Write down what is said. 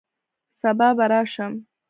سبا به راشم